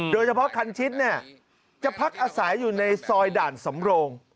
โดยเฉพาะคันชิตจะพักอาศัยอยู่ในซอยด่านสำโรง